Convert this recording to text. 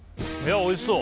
おいしそう。